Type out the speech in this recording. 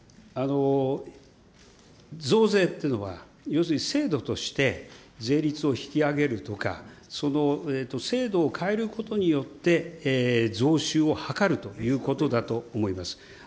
増税というのは、要するに制度として、税率を引き上げるとか、その制度を変えることによって、増収を図るということだと思います。